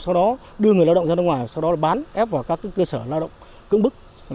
sau đó đưa người lao động ra nước ngoài sau đó bán ép vào các cơ sở lao động cưỡng bức